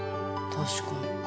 確かに。